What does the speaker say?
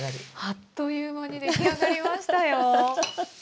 あっという間に出来上がりましたよ。